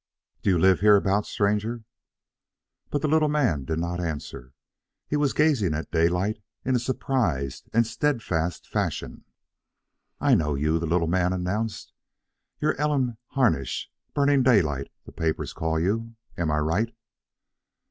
"Do you live hereabouts, stranger?" But the little man did not answer. He was gazing at Daylight in a surprised and steadfast fashion. "I know you," the little man announced. "You're Elam Harnish Burning Daylight, the papers call you. Am I right?"